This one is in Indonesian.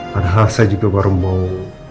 padahal saya juga baru mau